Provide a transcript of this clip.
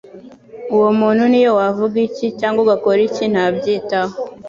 uwo muntu n'iyo wavuga iki cyangwa ugakora iki ntabyitaho